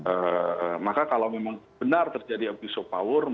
oke tapi kan yang tidak kita harapkan adalah terjadi abuse of power di situ